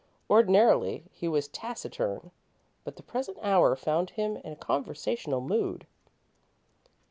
Ordinarily, he was taciturn, but the present hour found him in a conversational mood.